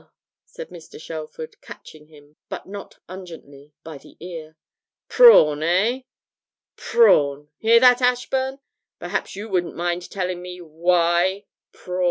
said Mr. Shelford, catching him, but not ungently, by the ear. '"Prawn," eh? "Prawn"; hear that, Ashburn? Perhaps you wouldn't mind telling me why "Prawn"?'